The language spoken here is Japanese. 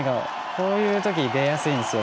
こういう時に出やすいんですよ